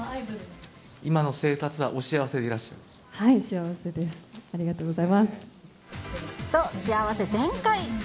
今の生活はお幸せでいらっしはい、幸せです。と、幸せ全開。